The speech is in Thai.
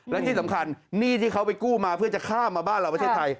และที่สำคัญหนี้ที่เขาไปกู้มาเพื่อจะข้ามมาบ้านเราประเทศไทย